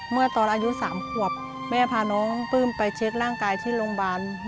เมื่อตอนอายุ๓ขวบแม่พาน้องปลื้มไปเช็คร่างกายที่โรงพยาบาล